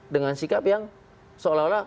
dengan sikap yang seolah olah